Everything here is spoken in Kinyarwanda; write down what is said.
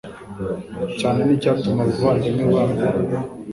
cyane n icyatuma abavandimwe babo